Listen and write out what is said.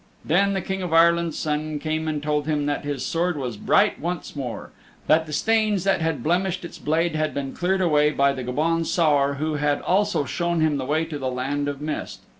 Then the King of Ireland's Son came and told him that his sword was bright once more that the stains that had blemished its blade had been cleared away by the Gobaun Saor who had also shown him the way to the Land of the Mist.